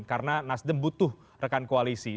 karena nasdem butuh rekan koalisi